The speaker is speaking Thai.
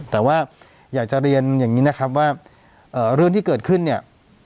แต่ว่าอยากจะเรียนอย่างนี้นะครับว่าเรื่องที่เกิดขึ้นเนี่ย